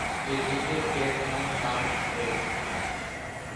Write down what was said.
এ থেকে এর এমন নাম হয়েছে।